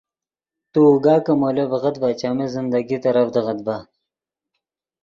تو اوگا کہ مولو ڤیغت ڤے چیمی زندگی ترڤدیغت ڤے